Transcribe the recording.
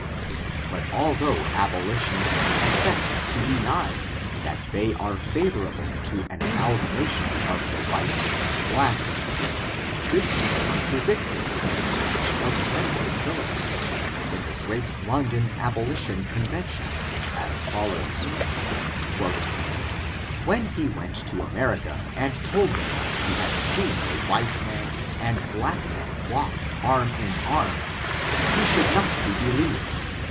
But although abolitionists affect to deny that they are favorable to an anftilgamation of the whites and blacks, this is contradicted in the speech of WendeU Phillips, in the great London Abolition Convention, as follows: ''When he went to America, and told them that he had seen the white man and bkuJc man walk arm in arm, he should not be believed.